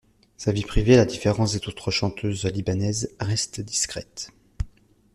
Sa vie privée, à la différence des autres chanteuses libanaises, reste discrète.